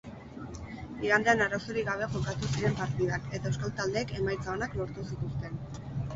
Igandean arazorik gabe jokatu ziren partidak eta euskal taldeek emaitza onak lortu zituzten.